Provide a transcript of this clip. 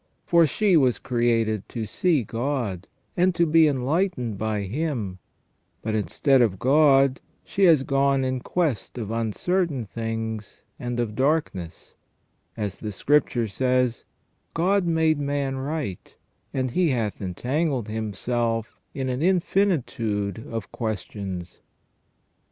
For she was created to see God, and to be enlightened by Him ; but instead of God, she has gone in quest of uncertain things and of darkness, as the Scripture says :* God made man right, and he hath entangled himself in an infinitude of questions